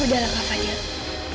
udah lah kak fadil